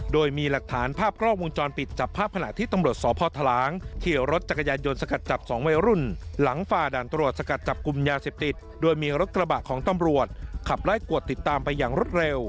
ด้วยมีหลักฐานภาพกรอกวงจลปิดจับภาพขนาดที่ตำรวจส